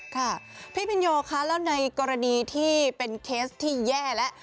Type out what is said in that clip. ค่ะพี่พินโยคะแล้วในกรณีที่เป็นเคสที่แย่แล้ว